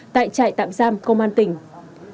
tại trại tạm giam công an tỉnh